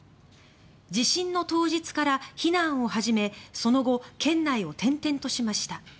地震の当日から避難を始めその後、県内を転々としました。